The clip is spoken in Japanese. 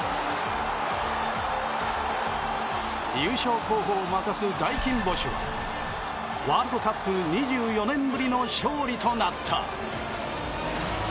優勝候補を負かす大金星はワールドカップ２４年ぶりの勝利となった。